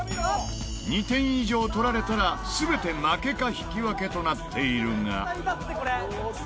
２点以上取られたら全て負けか引き分けとなっているが。